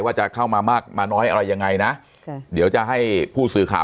ว่าจะเข้ามามากมาน้อยอะไรยังไงนะค่ะเดี๋ยวจะให้ผู้สื่อข่าว